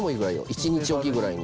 １日おきぐらいに。